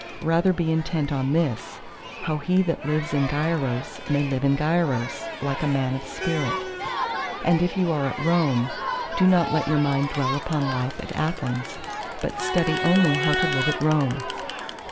Rather be intent on this—how he that lives in Gyaros may live in Gyaros like a man of spirit. And if you are at Rome, do not let your mind dwell upon the life at Athens, but study only how to live at Rome.